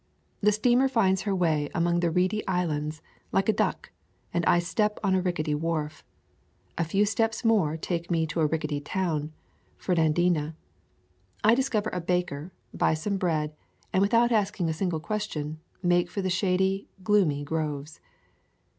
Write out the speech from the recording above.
The steamer finds her way among the reedy islands like a duck, and I step on a rickety wharf. A few steps more take me to a rickety town, Fernandina. I discover a baker, buy some bread, and with out asking a single question, make for the shady, gloomy groves.